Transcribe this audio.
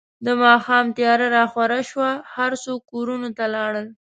د ماښام تیاره راخوره شوه، هر څوک کورونو ته لاړل.